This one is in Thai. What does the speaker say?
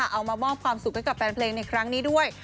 เอามามอบความสุขให้กับแฟนเพลงในครั้งนี้ด้วย